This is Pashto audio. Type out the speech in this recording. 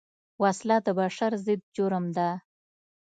وسله د بشر ضد جرم ده